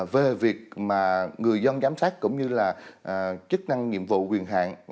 về việc mà người dân giám sát cũng như là chức năng nhiệm vụ quyền hạn